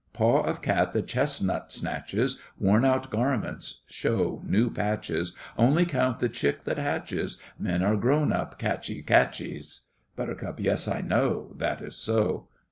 Paw of cat the chestnut snatches; Worn out garments show new patches; Only count the chick that hatches; Men are grown up catchy catchies. BUT. Yes, I know, That is so.